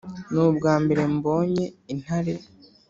ni ubwa mbere mbonye intare